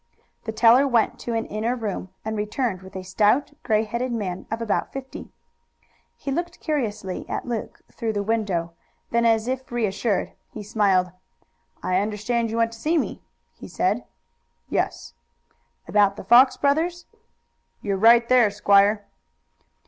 The teller went to an inner room and returned with a stout, gray headed man of about fifty. He looked curiously at Luke through the window. Then, as if reassured, he smiled. "I understand you want to see me," he said. "Yes." "About the Fox brothers?" "You're right there, squire."